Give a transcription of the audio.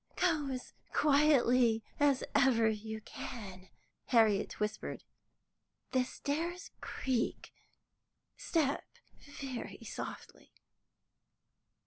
"Go as quietly as ever you can," Harriet whispered. "The stairs creak so. Step very softly."